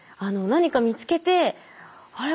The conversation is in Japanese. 何か見つけてあれ？